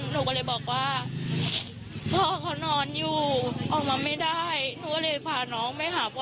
หนูก็เลยบอกว่าพ่อเขานอนอยู่ออกมาไม่ได้หนูก็เลยพาน้องไปหาพ่อ